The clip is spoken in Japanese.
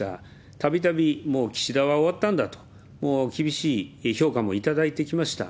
たびたび、もう岸田は終わったんだと、もう厳しい評価もいただいてきました。